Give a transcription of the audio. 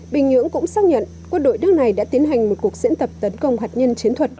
bình nhưỡng cũng xác nhận quân đội nước này đã tiến hành một cuộc diễn tập tấn công hạt nhân chiến thuật